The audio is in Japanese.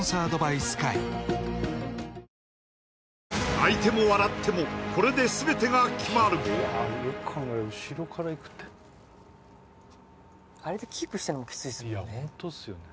泣いても笑ってもこれで全てが決まるよく考えると後ろからいくってあれでキープしてるのもキツいいやホントっすよね